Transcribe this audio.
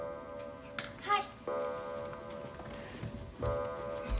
はい。